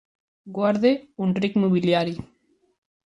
Guarda un ric mobiliari.